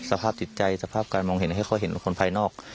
สภาพจิตใจสภาพการมองเห็นให้เขาเห็นว่าคนภายนอก